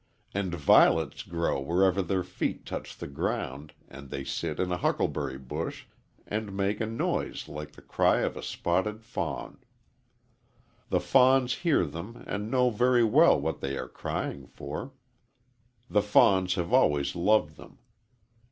And violets grow wherever their feet touch the ground, and they sit in a huckleberry bush and make a noise like the cry of a spotted fawn. The fawns hear them and know very well what they are crying for. The fawns have always loved them.